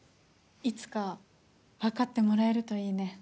いつか分かってもらえるといいね。